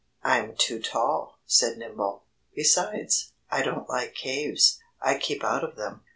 "I'm too tall," said Nimble. "Besides, I don't like caves. I keep out of them."